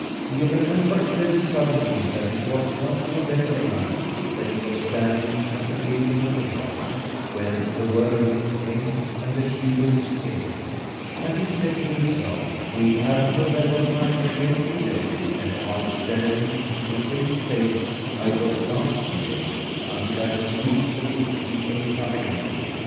He remembered then, suddenly, that it was one November night that he was standing at the gable of the house, when the whirlwind came, and the sheehogues in it, and he said to himself: "We have November night again to day, and I'll stand in the same place I was last year, until I see if the good people come again.